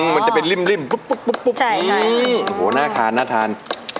มันจะเป็นริ่มปุ๊บปุ๊บนี่โอ้โฮน่าทาน